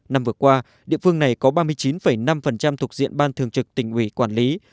năm vừa qua địa phương này có ba mươi chín năm thuộc diện ban thường trực tỉnh ủy quản lý